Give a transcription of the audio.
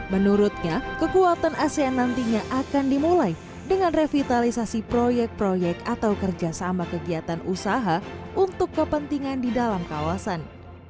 menurutnya kekuatan asean nantinya akan dimulai dengan revitalisasi proyek proyek atau kerjasama kegiatan usaha untuk kepentingan di dalam kawasan